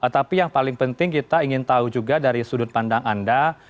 tapi yang paling penting kita ingin tahu juga dari sudut pandang anda